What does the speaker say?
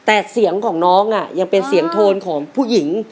แต่เสียงของน้องยังเป็นเสียงโทนของผู้หญิง